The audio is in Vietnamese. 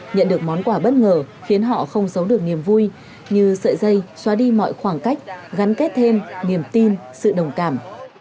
nhận được món quà bất ngờ khiến họ không giấu được niềm vui như sợi dây xóa đi mọi khoảng cách gắn kết thêm niềm tin sự đồng cảm